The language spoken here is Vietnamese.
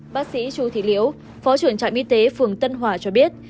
bác sĩ chu thị liễu phó trưởng trạm y tế phường tân hòa cho biết